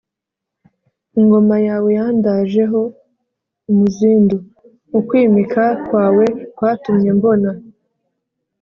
ingoma yawe yandajeho umuzindu: ukwimika kwawe kwatumye mbona